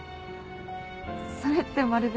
それってまるで。